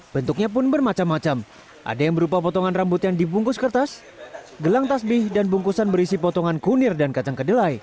bentuknya pun bermacam macam ada yang berupa potongan rambut yang dibungkus kertas gelang tasbih dan bungkusan berisi potongan kunir dan kacang kedelai